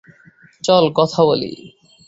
চল কথা বলি।